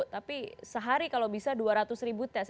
tapi sehari kalau bisa dua ratus ribu tes